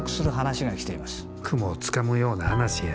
雲をつかむような話や。